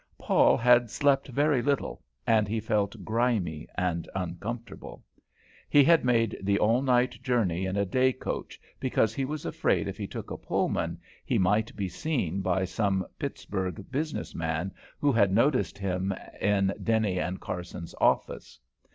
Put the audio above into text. Paul had slept very little, and he felt grimy and uncomfortable. He had made the all night journey in a day coach because he was afraid if he took a Pullman he might be seen by some Pittsburgh business man who had noticed him in Denny & Carson's office.